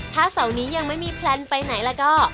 ถ้าเสาร์นี้ยังไม่มีแพลนไปไหนแล้วก็